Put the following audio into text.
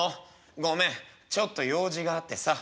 「ごめんちょっと用事があってさ」。